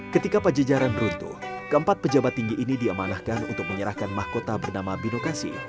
ketika pajajaran runtuh keempat pejabat tinggi ini diamanahkan untuk menyerahkan mahkota bernama binokasi